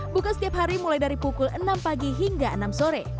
buka setiap hari mulai dari pukul enam pagi hingga enam sore